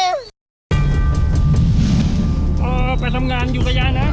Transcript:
พ่อไปทำงานอยู่กับย่านะ